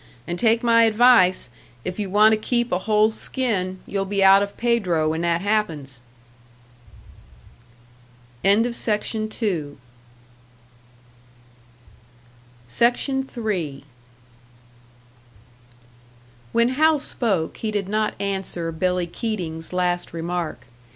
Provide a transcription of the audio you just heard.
And take my advice, if you want to keep a whole skin, you'll be out of Pedro when that happens!" SECTION 3. When Hal spoke, he did not answer Billy Keating's last remark.